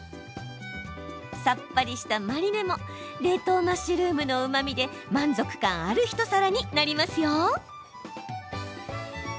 さっぱりしたマリネも冷凍マッシュルームのうまみで満足感ある一皿になりますよ。